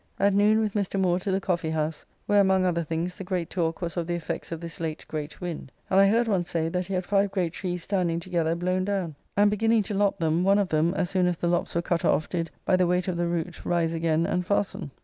At noon with Mr. Moore to the Coffee house, where among other things the great talk was of the effects of this late great wind; and I heard one say that he had five great trees standing together blown down; and, beginning to lop them, one of them, as soon as the lops were cut off, did, by the weight of the root, rise again and fasten.